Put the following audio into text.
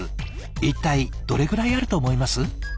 一体どれぐらいあると思います？